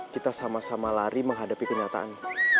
kita sama sama lari menghadapi kenyataan